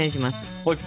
はい。